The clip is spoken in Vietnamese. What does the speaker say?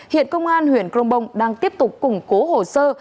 hiện công an huyện crong bong đang tiếp tục củng cố hồ sơ